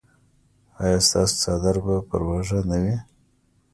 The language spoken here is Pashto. ایا ستاسو څادر به پر اوږه نه وي؟